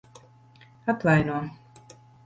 Atvaino.